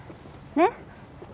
ねっ？